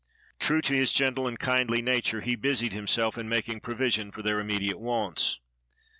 True to his gentle and kindly nature, he busied himself in making provi sion for their immediate wants.